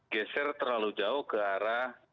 geser terlalu jauh ke arah